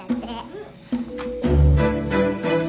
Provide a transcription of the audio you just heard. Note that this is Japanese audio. うん。